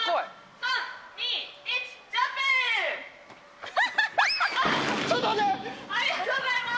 ありがとうございます。